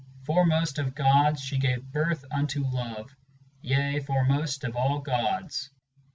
* tt X ## Foremost of gods, she gave birth unto Love; yea, foremost of all gods.